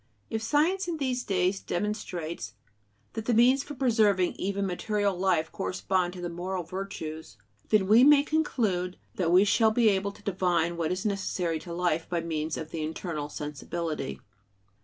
If science in these days demonstrates that the means for preserving even material life correspond to the moral "virtues," we may conclude that we shall be able to divine what is necessary to life by means of the internal sensibility.